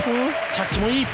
着地もいい。